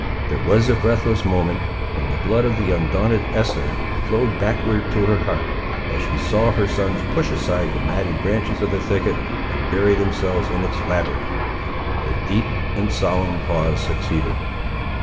There was a breathless moment, when the blood of the undaunted Esther flowed backward to her heart, as she saw her sons push aside the matted branches of the thicket and bury themselves in its labyrinth. A deep and solemn pause succeeded.